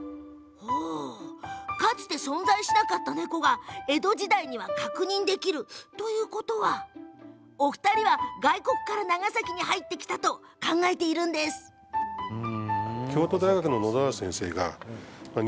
かつて存在しなかった猫が江戸時代には確認できる。ということはお二人は外国から長崎に入ってきたと考えています。ですね！